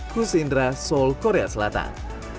kusindra seoul korea selatan